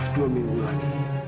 dua minggu lagi